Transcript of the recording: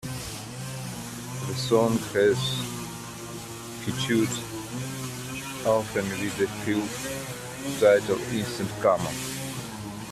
The song has featured - often with the full title Instant Karma!